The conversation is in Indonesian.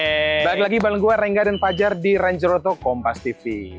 kembali lagi bersama saya rengga dan fajar di renggeroto kompastv